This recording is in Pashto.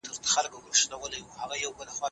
د بدن غبرګونونه طبیعي دي.